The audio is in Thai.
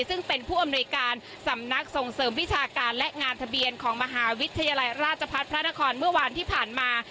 ซึ่งเป็นผู้อำนวยการสำนักส่งเสริมวิชาการและงานทะเบียนของมหาวิทยาลัยราชพัฒน์พระนครเมื่อวานที่ผ่านมา